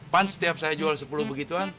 pan setiap saya jual sepuluh begituan